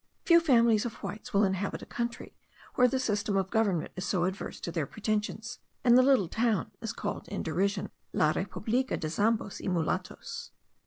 Few families of Whites will inhabit a country where the system of government is so adverse to their pretensions; and the little town is called in derision La republica de Zambos y Mulatos.